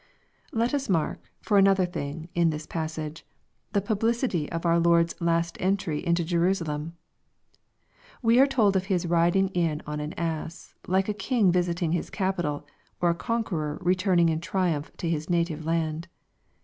Let us mark, for another thing, in this passage, the 'publicity of our Lord's last entry into Jerusalem. We are told of His riding in on an ass, like a king visiting his capital, or a conqueror returning in triumph to his native land.